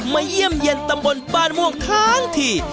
มาเยี่ยมเย็นตามบนบ้านม่วงท้างถี่